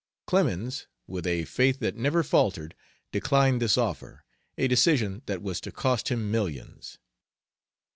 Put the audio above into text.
Clemens, with a faith that never faltered, declined this offer, a decision that was to cost him millions.